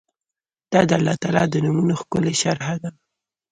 دا د الله تعالی د نومونو ښکلي شرح ده